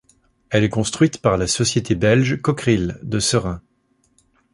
Elle est construite par la société belge Cockerill de Seraing.